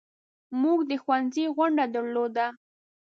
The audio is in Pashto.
موږ د ښوونځي غونډه درلوده.